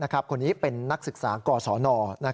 คนนี้เป็นนักศึกษากศน